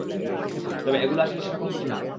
তবে এগুলো আসলে সেরকম কিছু না!